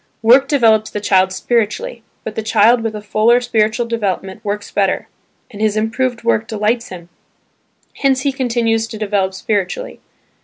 Work develops the child spiritually; but the child with a fuller spiritual development works better, and his improved work delights him,– hence he continues to develop spiritually.